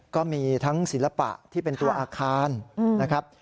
ก็มีทั้งศิลปะที่เป็นตัวอาคารนะครับ